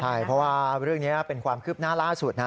ใช่เพราะว่าเรื่องนี้เป็นความคืบหน้าล่าสุดนะ